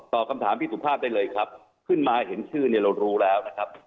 คำถามพี่สุภาพได้เลยครับขึ้นมาเห็นชื่อเนี่ยเรารู้แล้วนะครับ